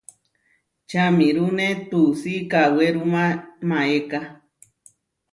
Čamirúne tuusí kawéruma maéka.